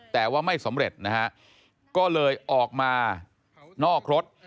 แต่ว่าไม่สำเร็จนะฮะก็เลยออกมานอกรถ